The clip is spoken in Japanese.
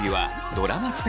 ドラマ